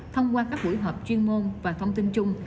thông qua các buổi họp chuyên môn và thông tin chung